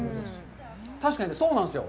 確かにそうなんですよ。